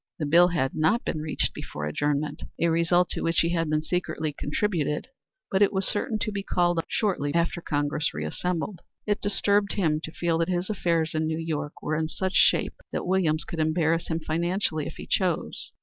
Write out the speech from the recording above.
The bill had not been reached before adjournment, a result to which he had secretly contributed, but it was certain to be called up shortly after Congress reassembled. It disturbed him to feel that his affairs in New York were in such shape that Williams could embarrass him financially if he chose.